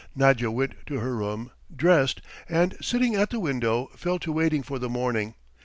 Nadya went to her room, dressed, and sitting at the window fell to waiting for the morning.